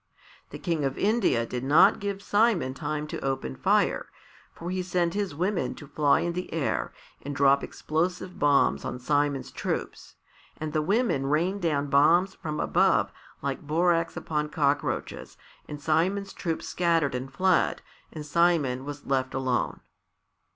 The King of India did not give Simon time to open fire, for he sent his women to fly in the air and drop explosive bombs on Simon's troops. And the women rained down bombs from above like borax upon cockroaches and Simon's troops scattered and fled, and Simon was left alone.